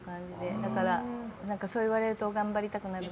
だからそう言われると頑張りたくなるな。